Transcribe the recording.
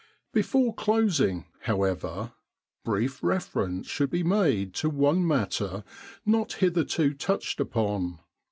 Before closing, however, brief reference should be made to one matter not hitherto touched upon.